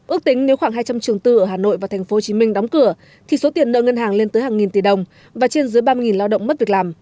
ước tính nếu khoảng hai trăm linh trường tư ở hà nội và tp hcm đóng cửa thì số tiền nợ ngân hàng lên tới hàng nghìn tỷ đồng và trên dưới ba mươi lao động mất việc làm